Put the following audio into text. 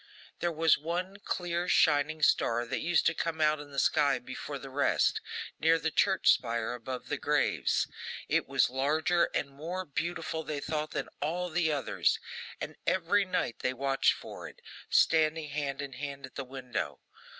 There was one clear shining star that used to come out in the sky before the rest, near the church spire, above the graves. It was larger and more beautiful, they thought, than all the others, and every night they watched for it, standing hand in hand at a window.